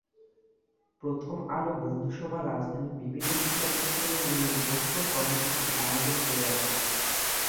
প্রথম আলো বন্ধুসভা রাজধানীর বিভিন্ন শিক্ষাপ্রতিষ্ঠানে নিয়মিত প্রশিক্ষণ কর্মসূচির আয়োজন করে আসছে।